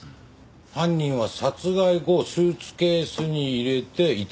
犯人は殺害後スーツケースに入れて遺体を運んだ？